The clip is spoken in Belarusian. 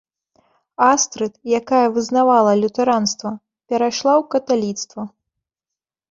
Астрыд, якая вызнавала лютэранства, перайшла ў каталіцтва.